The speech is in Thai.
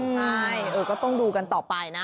ใช่ก็ต้องดูกันต่อไปนะ